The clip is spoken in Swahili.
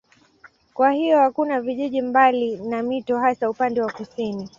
Kwa hiyo hakuna vijiji mbali na mito hasa upande wa kusini.